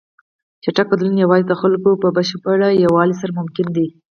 چټک بدلون یوازې د خلکو په بشپړ یووالي سره ممکن دی.